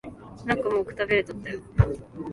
なんかもう、くたびれちゃったよ。